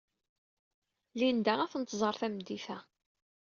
Linda ad tent-tẓer tameddit-a.